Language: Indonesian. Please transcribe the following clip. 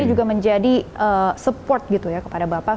ini juga menjadi support gitu ya kepada bapak